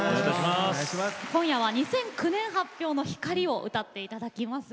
今夜は２００９年発表の「光」を歌って頂きます。